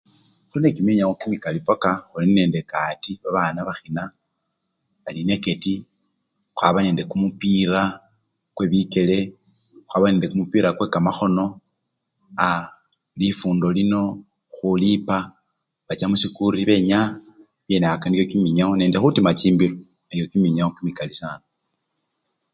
Khulinende kiminyawo kimikali paka, khulinende kaati babana bakhina bali nacketi, khwaba nende kumupira kwebikele khwaba nende kumupira kwekamakhono aa! lifundo lino khulipa, bacha musikuli benyaya kamenako niko kiminyawo nende khutima chimbilo kilyo kiminyawo kimikali sana.